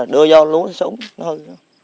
đưa vô luôn nó sống nó hơi